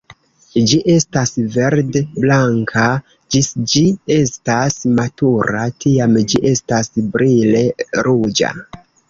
Ĝi estas verd-blanka ĝis ĝi estas matura, tiam ĝi estas brile ruĝa.